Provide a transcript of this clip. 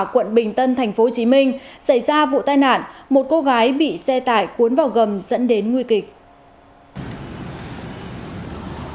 quận bình tân tp hcm xảy ra vụ tai nạn một cô gái bị xe tải cuốn vào gầm dẫn đến nguy kịch